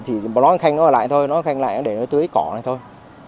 thì nói thằng khanh nó ở lại thôi nói thằng khanh lại để nó tưới cỏ này thôi